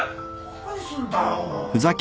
何すんだよ！